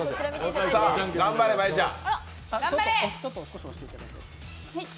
頑張れ真悠ちゃん。